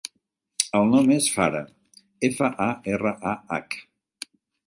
El nom és Farah: efa, a, erra, a, hac.